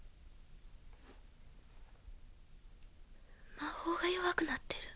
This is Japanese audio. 魔法が弱くなってる。